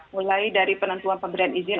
mulai dari penentuan pemberian izin